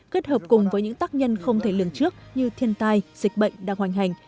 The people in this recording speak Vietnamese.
kết hợp cùng với những tác nhân không thể lường trước như thiên tai dịch bệnh đang hoành hành